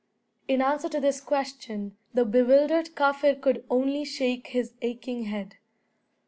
In answer to this question the bewildered Kaffir could only shake his aching head.